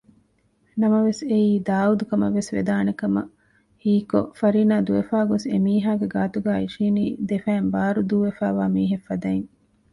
ނަމަވެސް އެއީ ދާއޫދުކަމަށްވެސް ވެދާނޭކަމަށް ހީކޮށް ފަރީނާ ދުވެފައިގޮސް އެމީހާގެ ގާތުގައި އިށީނީ ދެފައިން ބާރުދޫވެފައިވާ މީހެއް ފަދައިން